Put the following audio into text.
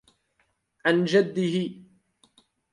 عَنْ جَدِّهِ